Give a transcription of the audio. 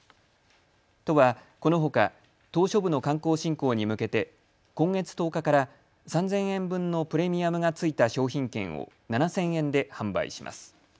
都はこのほか、島しょ部の観光振興に向けて今月１０日から３０００円分のプレミアムが付いた商品券を７０００円で販売します。